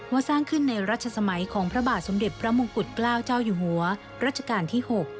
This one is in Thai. สร้างขึ้นในรัชสมัยของพระบาทสมเด็จพระมงกุฎเกล้าเจ้าอยู่หัวรัชกาลที่๖